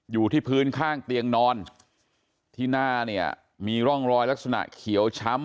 อยู่ที่พื้นข้างเตียงนอนที่หน้าเนี่ยมีร่องรอยลักษณะเขียวช้ำ